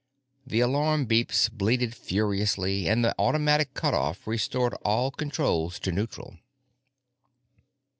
The alarm beeps bleated furiously, and the automatic cutoff restored all controls to neutral.